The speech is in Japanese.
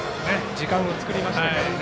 時間を作りましたからね。